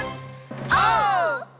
オー！